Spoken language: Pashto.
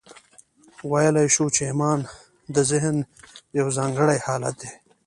ویلای شو چې ایمان د ذهن یو ځانګړی حالت دی